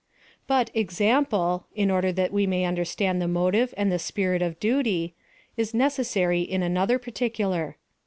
But example, in order that we may understand the motive and the spirit of duty, is necessary in another particular.